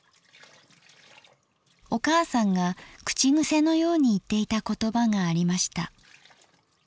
お母さんが口癖のように言っていた言葉がありました。